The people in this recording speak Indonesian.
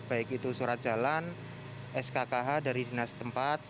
baik itu surat jalan skkh dari dinas tempat